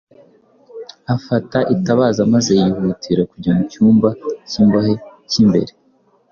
afata itabaza maze yihutira kujya mu cyumba cy’imbohe cy’imbere